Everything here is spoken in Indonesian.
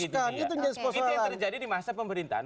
itu yang terjadi di masa pemerintahan